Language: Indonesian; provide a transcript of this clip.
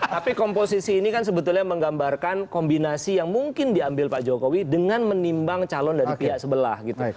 tapi komposisi ini kan sebetulnya menggambarkan kombinasi yang mungkin diambil pak jokowi dengan menimbang calon dari pihak sebelah gitu